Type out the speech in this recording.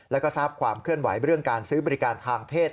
แล้วก็ทราบความเคลื่อนไหวเรื่องการซื้อบริการทางเพศ